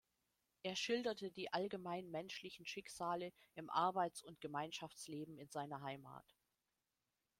Er schilderte die allgemein menschlichen Schicksale im Arbeits- und Gemeinschaftsleben in seiner Heimat.